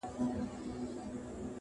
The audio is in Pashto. باغ او باغچه به ستا وي،